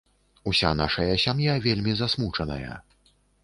Уся нашая сям'я вельмі засмучаная.